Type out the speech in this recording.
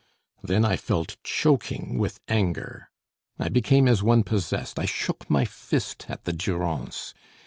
Then I felt choking with anger. I became as one possessed, I shook my fist at the Durance.